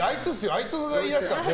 あいつが言い出したんです。